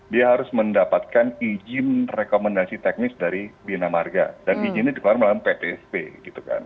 dia harus mendapatkan izin rekomendasi teknis dari bina marga dan izinnya dikeluarkan melalui ptsp gitu kan